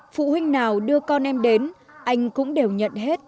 phụ huynh nào đưa con em đến anh cũng đều nhận hết